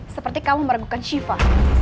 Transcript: seperti kamu meragukan syifa